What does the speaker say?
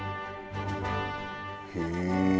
へえ。